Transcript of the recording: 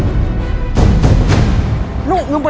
istighfar pan ya kan